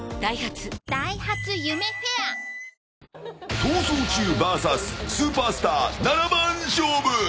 「逃走中ｖｓスーパースター７番勝負」。